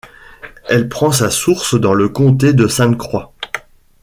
Elle prend sa source dans le Comté de Sainte-Croix.